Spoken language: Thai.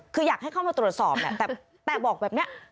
คืออยากให้เข้ามาตรวจสอบแหละแต่บอกแบบนี้